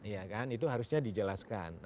ya kan itu harusnya dijelaskan